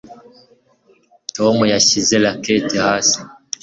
Tom yashyize racket hasi